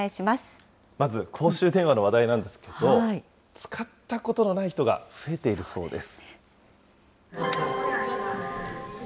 まず公衆電話の話題なんですけど、使ったことのない人が増えているそうです。